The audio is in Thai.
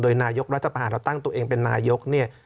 นายกรัฐประหารเราตั้งตัวเองเป็นนายกเนี่ย